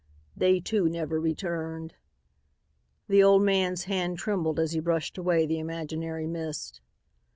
They, too, never returned." The old man's hand trembled as he brushed away the imaginary mist.